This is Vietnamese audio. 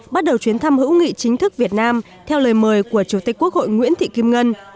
bắt đầu chuyến thăm hữu nghị chính thức việt nam theo lời mời của chủ tịch quốc hội nguyễn thị kim ngân